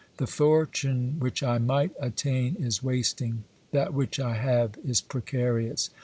The fortune which I might attain is wasting; that which I have is precarious.